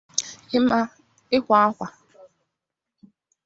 ịkwa ákwà